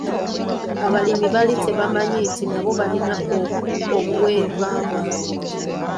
Abalimi baali tebamanyi nti nabo balina obuweebwa bwabwe.